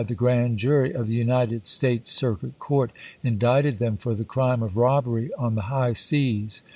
the Grand Jury of the United States Circuit Court indicted them for the crime of robbery on hiirtou. the hisrh seas.